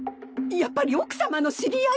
やっぱり奥さまの知り合い？